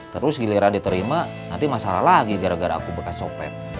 terus giliran diterima nanti masalah lagi gara gara aku bekas sopet